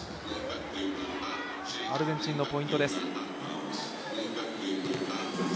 アルゼンチンのポイントです。